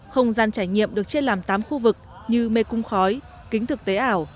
không gian trải nghiệm được chia làm tám khu vực như mê cung khói kính thực tế ảo